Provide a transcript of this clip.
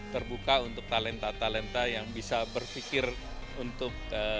terbuka untuk talenta talenta yang bisa berpikir untuk